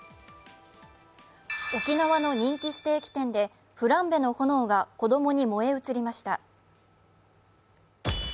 沖縄の人気ステーキ店でフランベの炎が子供に燃え移りました。